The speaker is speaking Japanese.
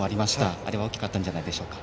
あれは大きかったんじゃないでしょうか。